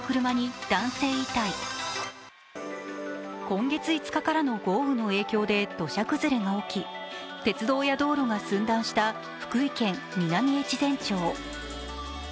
今月５日からの豪雨の影響で土砂崩れが起き、鉄道や道路が寸断した福井県南越前町。